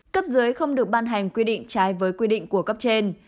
cấp dưới không được ban hành quy định trái với quy định của cấp trên